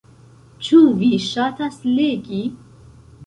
Ĉu vi ŝatas legi?